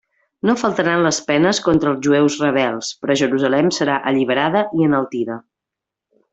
No faltaran les penes contra els jueus rebels, però Jerusalem serà alliberada i enaltida.